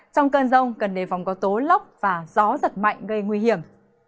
trong cơn rông cần đề phòng có tố lốc và gió giật mạnh gây nguy hiểm